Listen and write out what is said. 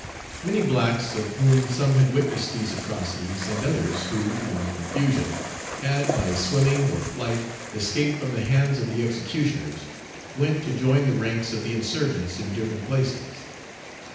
Many blacks, of whom some had witnessed these atrocities, and others, who, in the confusion, had, by swimming or flight, escaped from the hands of the executioners, went to join the ranks of the insurgents in different places.